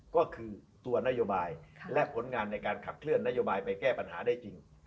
ก็คือตัวนโยบายและผลงานในการขับเคลื่อนนโยบายไปแก้ปัญหาได้จริง